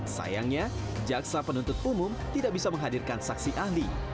sayangnya jaksa penuntut umum tidak bisa menghadirkan saksi ahli